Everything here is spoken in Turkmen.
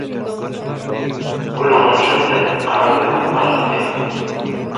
Gül-gunçasy – gara gözüm garasy,